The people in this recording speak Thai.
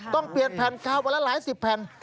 ต้องเปลี่ยนแผ่นคาวันละหลายสิบแผ่น